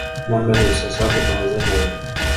منډه د احساساتو توازن راولي